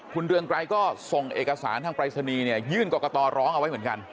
คุณเรืองไกรก็ส่งเอกสารทางปรายศนีย์เนี่ยยื่นกรกตร้องเอาไว้เหมือนกัน